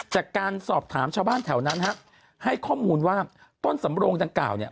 จากการสอบถามชาวบ้านแถวนั้นฮะให้ข้อมูลว่าต้นสำโรงดังกล่าวเนี่ย